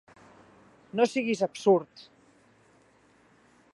No siguis absurd!